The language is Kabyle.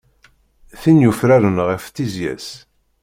Tin yufraren ɣef tizya-s.